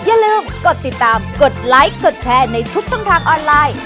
อย่าลืมกดติดตามกดไลค์กดแชร์ในทุกช่องทางออนไลน์